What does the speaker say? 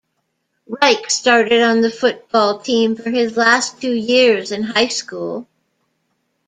Reich started on the football team for his last two years in high school.